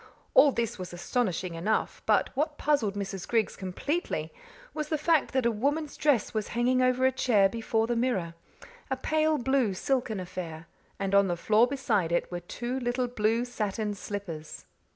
All this was astonishing enough. But what puzzled Mrs. Griggs completely was the fact that a woman's dress was hanging over a chair before the mirror a pale blue, silken affair. And on the floor beside it were two little blue satin slippers!